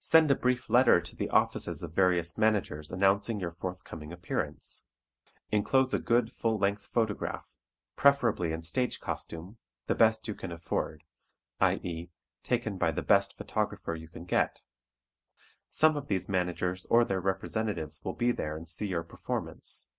Send a brief letter to the offices of various managers announcing your forthcoming appearance. Enclose a good full length photograph, preferably in stage costume, the best you can afford, i.e., taken by the best photographer you can get. Some of these managers or their representatives will be there and see your performance.